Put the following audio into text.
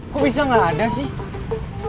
kok bisa nggak ada sih